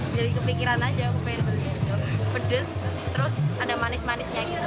jadi kepikiran aja aku pengen pedas terus ada manis manisnya gitu